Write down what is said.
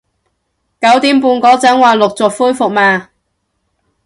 九點半嗰陣話陸續恢復嘛